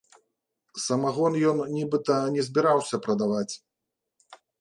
Самагон ён, нібыта, не збіраўся прадаваць.